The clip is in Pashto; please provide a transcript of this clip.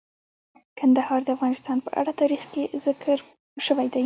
کندهار د افغانستان په اوږده تاریخ کې ذکر شوی دی.